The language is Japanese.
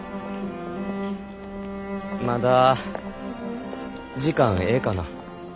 まだ時間ええかな？